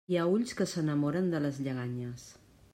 Hi ha ulls que s'enamoren de les lleganyes.